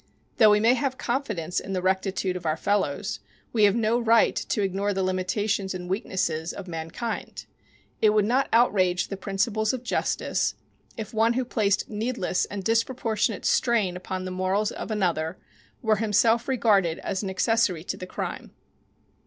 Though we may have confidence in the rectitude of our fellows, we have no right to ignore the limitations and weaknesses of mankind. It would not outrage the principles of justice if one who placed needless and disproportionate strain upon the morals of another were himself regarded as an accessory to the crime.